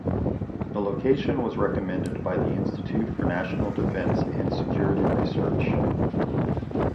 The location was recommended by the Institute for National Defense and Security Research.